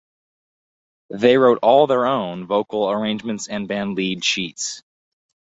They wrote all their own vocal arrangements and band lead sheets.